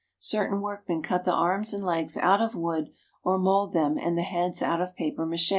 Cer tain workmen cut the arms and legs out of wood or mold them and the heads out of papier mache.